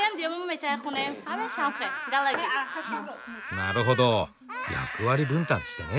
なるほど役割分担してね。